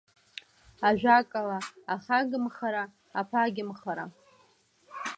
Ажәакала, ахагамхара, аԥагьамхара.